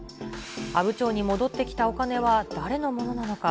阿武町に戻ってきたお金は誰のものなのか。